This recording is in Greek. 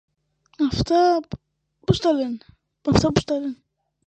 αυτά, πώς τα λένε.